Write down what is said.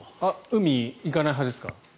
海、行かない派ですか？